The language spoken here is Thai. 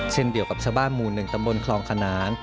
เช่นเดียวกับชาวบ้านหมู่๑ตำบลคลองขนาน